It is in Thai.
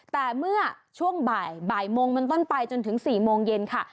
แต่เมื่อช่วงบ่ายโมงเป็นต้นไปจนถึง๔โมงเย็นค่ะ